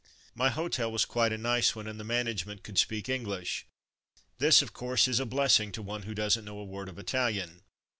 My hotel was quite a nice one, and the management could speak English. This, of course, is a blessing to one who doesn't know a word of Italian.